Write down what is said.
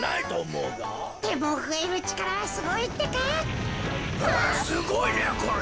うわすごいなこれ。